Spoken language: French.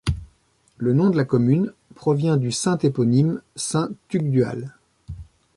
Le nom de la commune provient du saint éponyme, saint Tugdual.